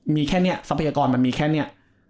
มีแค่นี้ทรัพยากรมันมีแค่นี้